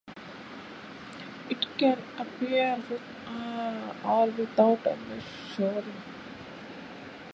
It can appear with or without mosaicism.